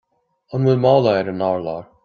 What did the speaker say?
An bhfuil mála ar an urlár